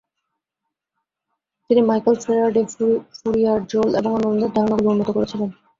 তিনি Michael Faraday, Fourier, Joule এবং অন্যান্যদের ধারণাগুলি উন্নত করেছিলেন।